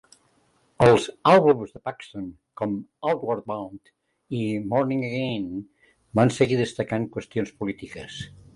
Els àlbums de Paxton com "Outward Bound" i "Morning Again" van seguir destacant qüestions polítiques.